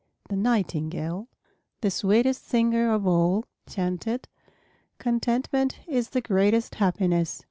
The Nightingale, the sweetest singer of all, chanted, "Contentment is the greatest happiness."